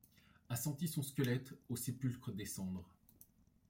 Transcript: A senti son squelette au sépulcre descendre ;